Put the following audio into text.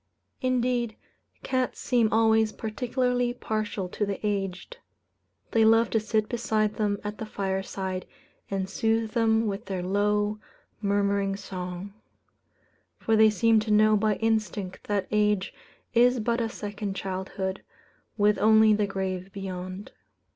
Indeed, cats seem always particularly partial to the aged. They love to sit beside them at the fireside, and soothe them with their low, murmuring song; for they seem to know by instinct that age is but a second childhood, with only the grave beyond.